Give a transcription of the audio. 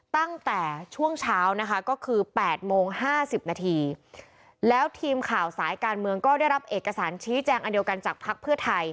ตั้งแต่ช่วงเช้านะคะก็คือ๘โมง๕๐นาทีแล้วทีมข่าวสายการเมืองก็ได้รับเอกสารชี้แจงอันเดียวกันจากพักเพื่อไทย